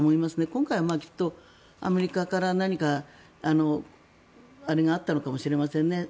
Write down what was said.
今回、きっとアメリカから何かあれがあったのかもしれませんね。